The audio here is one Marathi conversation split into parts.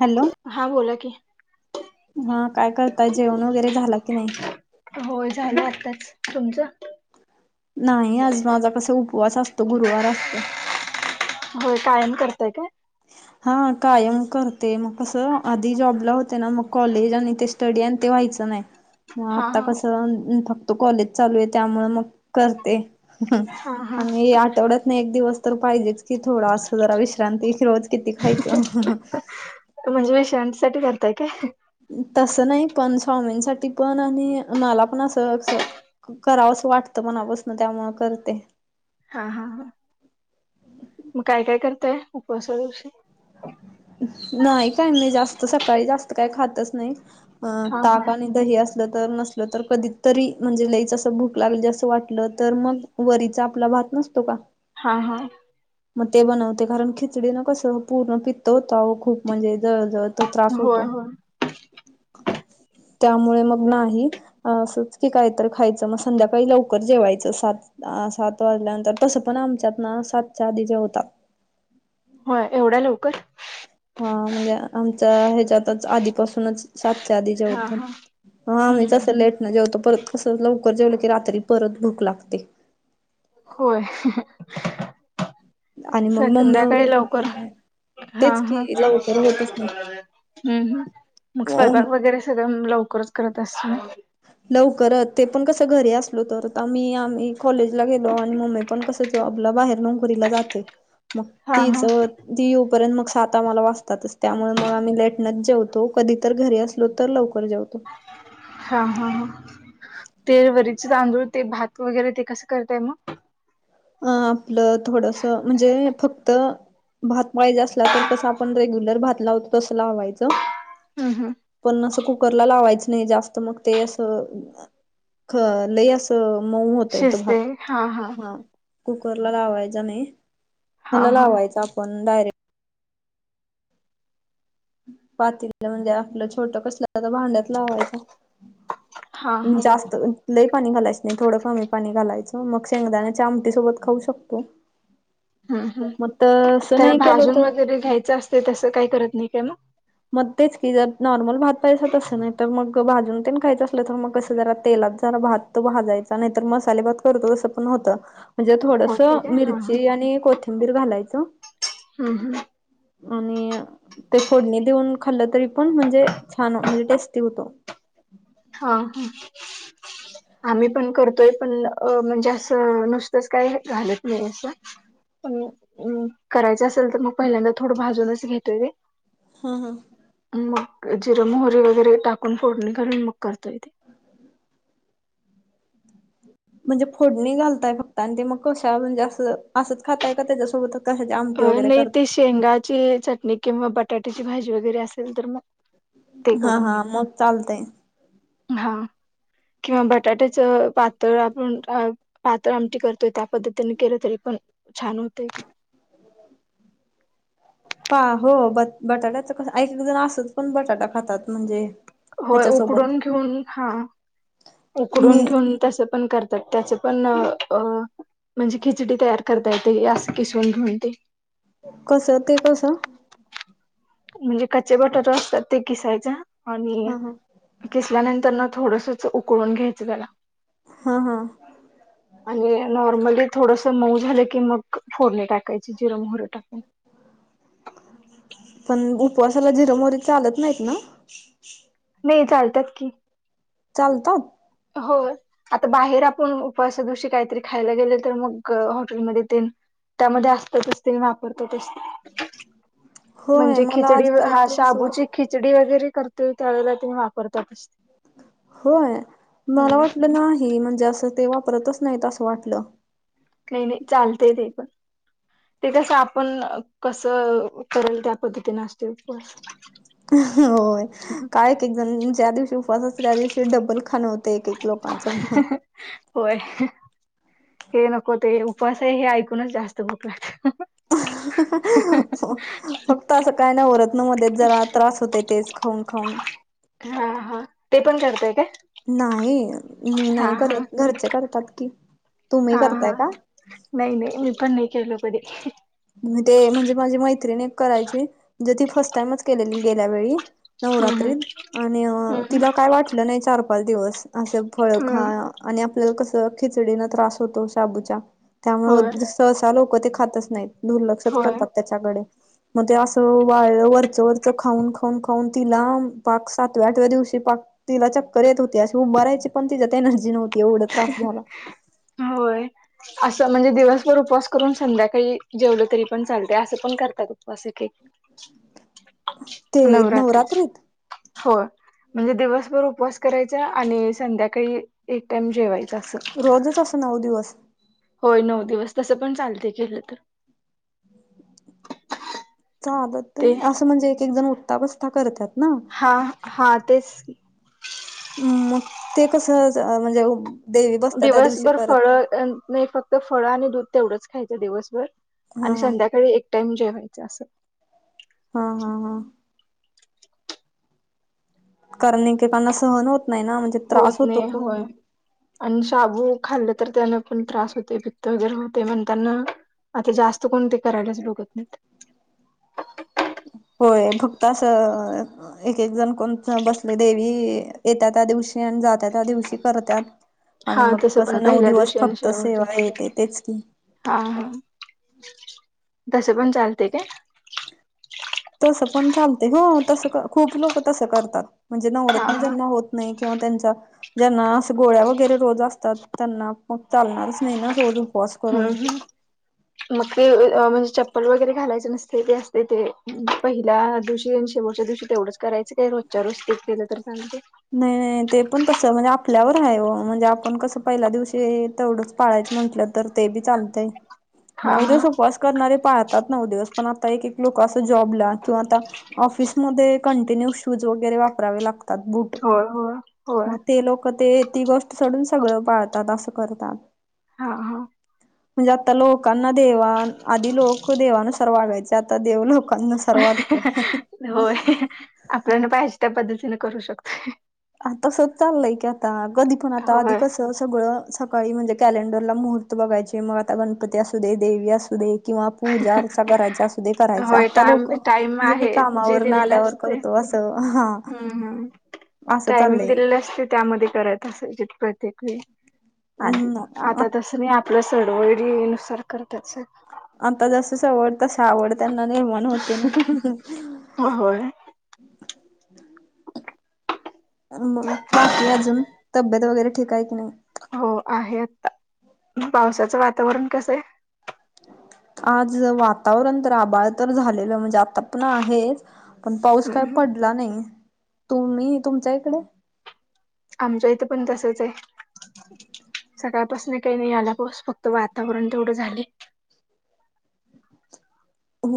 हॅलो हा, बोला की. हा काय करताय, जेवण वगैरे झाल की नाही. होय झाल आत्ताच. तुमच नाही आज माझा कसा उपवास असतो. गुरुवार असतो. होय, कायम करताय काय? हा, कायम करते. मग कस, आधी जॉबला होते ना मग कॉलेज आणि ते स्टडी आणि ते व्हायच नाही. म हा आता हा कस फक्त कॉलेज चालू आहे त्यामुळ मग करते. हा हा आणि आठवड्यातन एक दिवस तर पाहिजेच कि थोडा अस जरा विश्रांती. रोज किती खायच. म्हणजे शांतीसाठी करताय काय? तसं नाही पण, स्वामींसाठी पण, आणि मला पण अस‌ं असं करावसं वाटतं मणापासन, त्यामुळं करते. हा हा ह, म काय करताय उपवासा दिवशी? नाही काही, नही जास्त सकाळी जास्त काही खातच नही, अ हा ताक हा आणि दही असलं तर, नसल तर, कधीत तरी, म्हणजे लईच असं भूक लागली, असं वाटलं तर, मग वरीचा, आपला भात नसतो का? हां हां. म ते बनवते, कारण खिचडी न कस, पूर्ण पित्त होतं, आवो खूप, म्हणजे जळजळ तो त्रास होय होतो, होय त्यामुळे मग नाही. असंच की, काय तर खायचं, मग संध्याकाळी लवकर जेवायचं, सात अ सात वाजल्यानंतर, तसं पण आमच्यात ना, सातच्या आधीच जेवतात. होय, एवढ्या लवकर? हां, म्हणजे आमच्या ह्याच्यातच, आधीपासूनच सातच्या आधी हा जेवतात, हा हां आम्ही हम्म तसं लेट जेवतो, परत कसं लवकर जेवलं की, रात्री परत भूक लागते. होय. आणि मग मम्मी स-संध्याकाळी लवकर, वगैरे हां तेच हां. की लवकर होतच नाही. हम्, मग स्वयंपाक अ वगैरे सगळं, लवकरच करत असशील? लवकरत, ते कसं घरी असलो तर, आमी-आमी कॉलेजला गेलो, आणि मम्मे पण कस, जॉबला बाहेर नोकरीला जाते, मग हा ती हा जर ती येऊ पर्यंत, मग सात आम्हाला वाजतातच, त्यामुळे मग आम्ही लेटनच जेवतो, कधी तर घरी अस लो, तर लवकर जेवतो. हां हां हां. ते वरीचे तांदूळ, ते भात वगैरे, ते कसं करताय मं? अं आपलं थोडंसं, म्हणजे फक्त भात पाहिजे असला, तर कसं आपण रेग्युलर भात लावतो, तसं लावायचं. हम्म हम्म. पण असं कुकरला, लावायचं नही जास्त, मग ते असं ख लयं असं त, मऊ होतोय तो भात, शिजते हा हा हां. कुकरला लावायचा नाही, हा ह्याला हा लावायच, आपणं डायरेक्ट पातील म्हणजे आपलं छोटं कसलं, त भांड्यात लावायचा. हा हा हम्, जास्त लय पाणी घालायचं नही, थोडं कमी पाणी घालायचं, मग शेंगदान्याच्या आमटी सोबत खाऊ शकतो. [inaudible] हम् हम्, मग तसं त्याला नाही केलं भाजून तर वगैरे घ्यायचं असते, तसं काही करत नाही काय मग? मग तेच की, जर नॉर्मल भात पायजे, तसं नाही तर मग तो भाजून तेन खायचं असलं, तर मग कस जरा तेलात, जरा भात तो भाजायचा, नाही तर मसाले भात करतो, तस पण होत. म्हणजे होते थोडसं काय हा हा मिरची आणि कोथिंबीर घालायचं हम्म हम्म आणि ते फोडणी देऊन खाल्लं, तरी पण म्हणजे छान, म्हणजे टेस्टी होतो. हां हं, आम्ही पण करतोय, पण अ म्हणजे असं नस तस, काय घालत नही अस पण करायच असल, तर मग पहिल्यांदा, थोडं भाजूनच घेतोय ते. ह्म ह्म. मंग जिर, मोहरी वगैरे टाकून, फोडणी घालून, मग करतोय तेे. म्हणजे फोडणी घालताय फक्त, आणि ते मग कशा म्हणजे असं असच खाताय का त्याच्यासोबत कशाची अ आमटी वगैरे नाही ते करता शेंगाची चटणी किंवा बटाट्याची भाजी वगैरे असेल तर मग ते हा करून हा घेतोय. मग चालतंय. हा, किंवा बटाट्याच पातळ आपण, पातळ आमटी करतोय, त्या पद्धतीने केलं तरी पण छान होतय ते. पा हो ब बटाट्याच एक-एक जण आसाच बटाटा खातात म्हणजे होय ह्याच्यासोबत उकडून घेऊन, हा, मी उकडून घेऊन तसं पण करत त्याचे पण अ म्हणजे खिचडी तयार करता येते, अस किसवून घेऊन ते. कसं, ते कसं? म्हणजे कच्चे बटाटू असतात ते किसायच आणि हा हा किसल्यानंतर ना थोडसच उकळून घ्यायचं त्याला. हा-हा. आणि नॉर्मली थोडस मऊ झालं की मग, फोडणी टाकायची जिर, मोहरी टाकून. पण उपवासाला जिर, मोहरी चालत नाहीत ना? नाही चालत्यात की. चालतात? होय. आता बाहेर आपण उपवासा दिवशी काहीतरी खायला गेले तर मग हॉटेलमध्ये तेन त्यामध्ये असतच तेनी वापरतातच. [inaudible] म्हणजे मला खिचडी, हा आजपर्यंत असं वाट शाबूची खिचडी वगैरे करतोय त्या वेळेला तेनी वापरतातच. होय? मला हम्म वाटलं नाही, म्हणजे असं ते वापरतच नाहीत असं वाटलं. नाही-नाही चालतय ते पण. ते कसं आपण, कसं, करेल त्या पद्धतीन असतो उपवास. होय. काय एक-एक जण ज्या दिवशी उपवास असतो त्या दिवशी डब्बल खाणं होत ते एक-एक लोकांचं. होय. हे नको ते, उपवासा आहे हे ऐकूनच जास्त भूक लागत्या. हो. फक्त असं काय नाही उरतं ना मध्ये, जरा त्रास होतोय तेच खाऊन-खाऊन. हा-हा ते पण करताय काय? नाही, मी हा नाही करत. घरचे करतात की. तुम्ही करताय हा-हा, का नाही-नाही मी पण नाही केलो कधी. ते म्हणजे माझी मैत्रिणी एक करायची, म्हणजे ती फर्स्ट टाइमच केलेली गेल्या वेळी हम्म हम्म नवरात्रीत. आणि हम्म तिला काय वाटलं नाही चार, पाच दिवस असं फळ खा हम्म आणि आपल्याला कसं खिचडीन त्रास होतो शाबूच्या त्यामुळे होय ज सहसा लोक ते खातच नाहीत. दुर्लक्षच होय करतात त्याच्याकडे. मग ते असं वाळ वरचं-वरचं खाऊन-खाऊन-खाऊन तिला पाक सातव्या आठव्या दिवशी पाक तिला चकर येत होती. अशी उभारायची पण तिच्यात एनर्जी नव्हती एवढं त्रास झाला होय. असं म्हणजे दिवसभर उपस करून संध्याकाळी जेवलं तरी पण चालते, असं पण करतात उपवास एक-एक. [inaudible] ते नवरात्री. नवरात्रीत हो, म्हणजे दिवसभर उपवास करायचा आणि संध्याकाळी एक टाइम जेवायचं अस. रोजच असं नऊ दिवस. होय नऊ दिवस तसं, पण चालते केलं तर. ते चालतंय असं म्हणजे, एक एक जण उठता बसता करत्यात ना. हा हा, तेच की. मग ते कसं म्हणजे, देवी बसत्या त्या दिवशी दिवसभर फळ करत्यात नाही फ फळं आणि दूध तेवढंच खायचं दिवसभर, हा आणि हा संध्याकाळी एक टाईम जेवायचं असं. हा हा हा. कारण एकेकाना सहन होत नाही ना, म्हणजे त्रास होत होतो नाही खूप. होय. आणि शाबू खाल्ले तर त्यांना पण त्रास होते, पित्त वगैरे होते म्हणताना. आता जास्त कोण ते, करायलाच बघत नाहीत. होय फक्तं असं. एक एक जण कोण बसले देवी येत्या, त्या दिवशी आणि जात्या त्या दिवशी करतात. आणि हा मग तसं पण कसं नऊ पहिल्या दिवस दिवशी आणि फक्त शेवटच्या सेवा येते तेच की. हा हा, तसं पण चालते काय. तसं पण चालते. हो तसं खूप लोक तसं करतात, म्हणजे हा नवरत्न हा ज्यांना होतं नाही किंवा त्यांचा. ज्यांना अस गोळ्या वगैरे रोज असतात, त्यांना चालणारच नाही ना रोज उपवास. करून हम् हम. मग ते म्हणजे चप्पल वगैरे घालायचे नसते, ते असते ते पहिल्या दिवशी आणि शेवटच्या दिवशी. तेवढंच करायचं, काय रोजच्या रोज ते केलं तर चालतंय. नाही नाही ते पण तस म्हणजे, आपल्यावर आहे ओ म्हणजे आपण कसं पहिल्या दिवशी तेवढंच. पाळायचं म्हटलं तर ते बी चालतंय, हा नऊ हा दिवस उपवास. करणारे पाळतात नऊ दिवस पण आता, एक एक लोक असं जॉबला किंवा आता ऑफिसमध्ये‌ कंटिन्यू शूज वगैरे वापरावे लागतात बुट. होय होय. होय मग ते लोकं ते ती गोष्ट सोडून, सगळं पाळतात असं करतात. हा हा. म्हणजे आता लोकांना देवा आधी लोक देवानुसार वागायचे. आता देव लोक होय आपल्याला पाहिजे त्या, पद्धतीने करू शकतोय. आता तसंच चालय की आता, कधी पण आता आधी होय. कसं तर सगळं सकाळी म्हणजे कॅलेंडरला मुहूर्त बघायचे, मग आता गणपती असू दे देवी असू दे. किंवा पूजा आरचा करायची असुदे. करायच. होय आता टाम लोकं टाइम म्हणजे, मी आहे जे कामावरन आल्यावर करतो असं हां. हम हम, टाइमिंग दिलेले असते, त्यामध्ये करायचं असेल प्रत्येक वेळी. आधी हम्म आता तसं नाही, आपल्या सडवडी नुसार करत्यात सगळी. आता जास्त सवड तसं, आवड त्यांना निर्माण. होते ना. होय. मग बाकी अजून, तब्येत वगैरे ठीक ये कणी. हो आहे आता, पावसाचं वातावरण कसं ये. आज वातावरण तर आबाळ तर झालेलं म्हणजे, आता पण आहेच. पण पाऊस हम्म काय हम्म. पडला नाही, तुम्ही तुमच्या इकडे. आमच्या इथे पण तसंच ये. सकाळपासून काय नाही आला पाऊस, फक्त वातावरण तेवढं झालंय.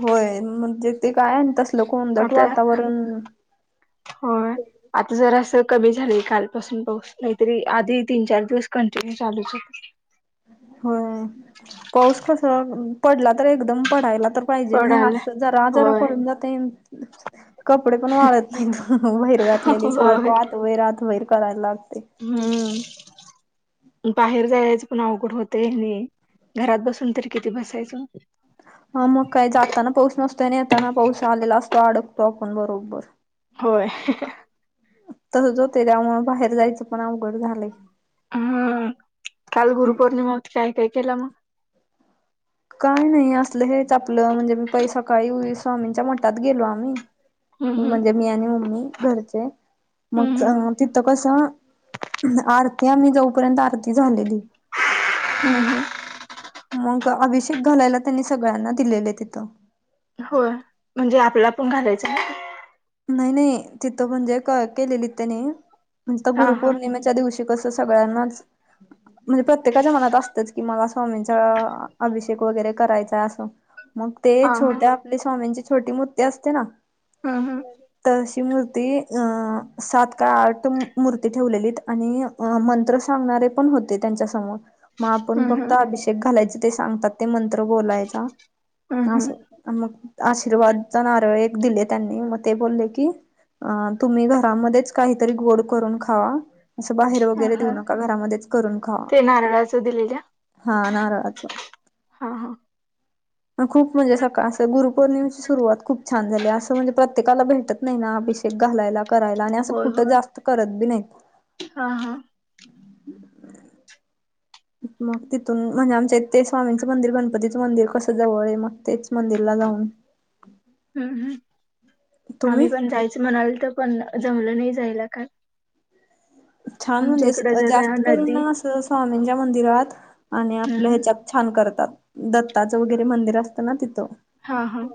होय म्हणजे ते काय अन, तसल कोणदट आता वातावरण. होय आता जरासं कमी झालं कालपासून पाऊस, नाहीतरी आधी तीन चार दिवस कंटिन्यू चांलूच होता. होय, पाऊस कसा पडला तर एकदम पडायला तर पाहिजे ना हे पडायला असं जरा जरा होय पडून जातयं. कपडे पण वाळत नाहीत बाहेर घातले की, होय सारखं आत बाहेर आत बाहेर करायला लाग हम्म. बाहेर जायचं पण अवघड होतय आणि घरात बसून तरी किती बसायचं. हा मग काय जाताना पाऊस नसतोय आणि येताना पाऊस आलेला असतो अडकतो आपण बरोबर. होय. तसंच होतंय त्यामुळं बाहेर जायचं पण अवघड झालंय. हम्म काल गुरुपौर्णिमा होती काय काय केला मग? काय नाही असलं हेच आपलं, म्हणजे मी पै सकाळी स्वामींच्या मठात गेलो आम्ही. हम्म हम्म म्हणजे मी आणि मम्मी घरचे. हम्म मग हम्म तिथं कसं आरती आम्ही जोपर्यंत आरती झालेली. हम्म हम्म. मग अभिषेक घालायला त्यांनी सगळ्यांना दिलेले तिथं. होय म्हणजे आपला पण घालायचं का? नाही नाही तिथं म्हणजे केलेली त्यांनी मग तिथं हा हा गुरुपौर्णिमेच्या त्या दिवशी कसं सगळ्यांनाच म्हणजे प्रत्येकाच्या मनात असतचं, की मला स्वामींचा अभिषेक वगैरे करायचाय असं. मग ते हा हा छोट्या आपले स्वामींची छोटी मूर्ती असते ना? हा हम्म. तशी मूर्ती अ सात का आठ मूर्ती ठेवलेलीत आणि अ मंत्र सांगणारे पण होते त्यांच्यासमोर. मग आपण हम्म हम्म फक्त अभिषेक घालायच ते सांगतात ते मंत्र बोलायचा हम्म हम्म असं. मग आशीर्वादच नारळ एक दिले त्यांनी मग ते बोलले की अ तुम्ही घरामध्येच काहीतरी गोड करून खावा. असं बाहेर हा वगैरे देऊ हा नका घरामध्येच करून खावा. ते नारळाचं दिलेल्या? हा नारळाचं. हा हा. खूप म्हणजे सकाळ असं गुरुपौर्णिमेची सुरुवात खूप छान झाली, असं म्हणजे प्र त्येकाला भेटतं नाही ना अभिषेक घालायला करायला आणि असं होय कुठं होय जास्त करत बी नाहीत. हा हा. मग तिथून म्हणजे आमच्या ते स्वामींचं मंदिर गणपतीचं मंदिर कसं जवळ आहे. मग तेच मंदिरला जाऊन. हम्म हम्म, तुम्ही आम्ही पण जायचं म्हणालतो पण जमलं नाही जायला काय. छान आमच्या म्हणजे इकडं जरा जास्त करून नदी असं स्वामींच्या मंदिरात आणि हम्म आपल्या हम्म ह्याच्यात छान करतात. दत्ताचं वगैरे मंदिर असतं ना तिथं. हा हा.